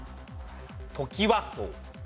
トキワ荘。